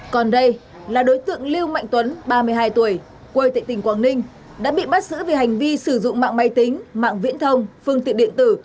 còn đây là đối tượng lưu mạnh tuấn ba mươi hai tuổi quê tệ tỉnh quảng ninh đã bị bắt giữ về hành vi sử dụng mạng máy tính mạng viễn thông phương tiện điện tử